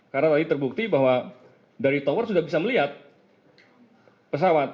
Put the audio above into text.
karena tadi terbukti bahwa dari tower sudah bisa melihat pesawat